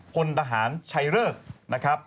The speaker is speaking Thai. พลทหารชัยเริก